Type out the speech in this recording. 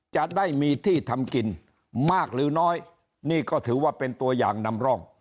จะได้มีที่ทำกินมากหรือน้อยนี่ก็ถือว่าเป็นตัวอย่างนำร่อง